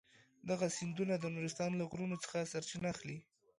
دغه سیندونه د نورستان له غرونو څخه سرچینه اخلي.